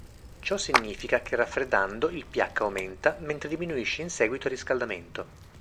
Ciò significa che raffreddando il pH aumenta mentre diminuisce in seguito a riscaldamento.